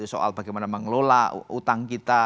soal bagaimana mengelola utang kita